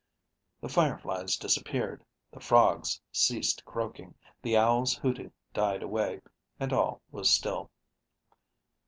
The fireflies disappeared, the frogs ceased croaking, the owls' hooting died away, and all was still.